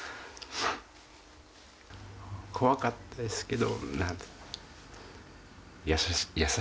怖かったですけど優しい。